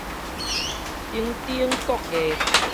頂頂個月